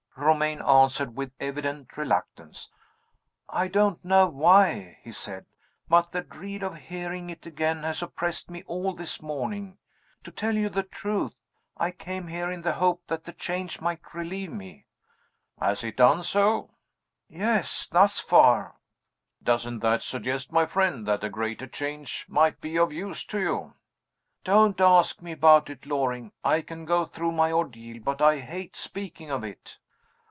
Romayne answered with evident reluctance. "I don't know why," he said "but the dread of hearing it again has oppressed me all this morning. To tell you the truth, I came here in the hope that the change might relieve me." "Has it done so?" "Yes thus far." "Doesn't that suggest, my friend, that a greater change might be of use to you?" "Don't ask me about it, Loring! I can go through my ordeal but I hate speaking of it."